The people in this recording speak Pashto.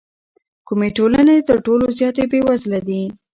کومې ټولنې تر ټولو زیاتې بېوزله دي؟